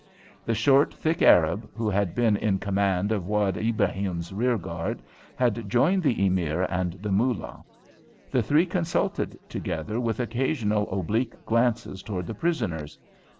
The short, thick Arab, who had been in command of Wad Ibrahim's rearguard, had joined the Emir and the Moolah; the three consulted together, with occasional oblique glances towards the prisoners.